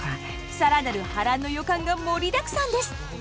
更なる波乱の予感が盛りだくさんです。